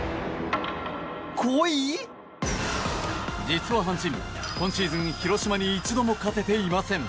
実は阪神、今シーズン、広島に一度も勝てていません。